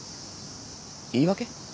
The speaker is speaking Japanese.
言い訳？